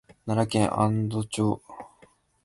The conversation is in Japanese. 奈良県安堵町